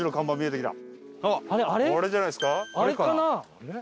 あれじゃないですか？